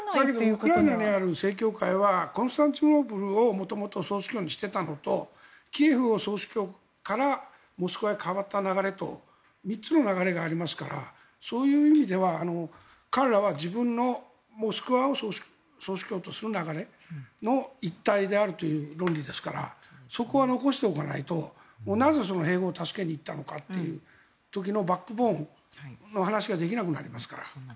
ウクライナにある正教会はコンスタンティノープルを元々、総主教にしていたのとキエフ総主教からモスクワへ変わった流れと３つの流れがありますからそういう意味では彼らは自分のモスクワを総主教とする流れで一体となるという論理ですからそこは残しておかないとなぜ併合を助けに行ったのかという時のバックボーンの話ができなくなりますから。